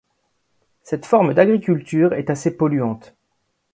Cette forme d'agriculture est assez polluante.